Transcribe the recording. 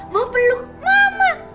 mau peluk mama